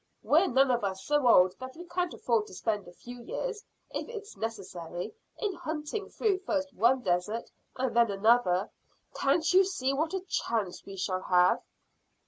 We're none of us so old that we can't afford to spend a few years, if it's necessary, in hunting through first one desert and then another. Can't you see what a chance we shall have?"